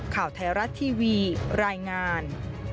ข่าวไทยรัฐทีวีรายงาน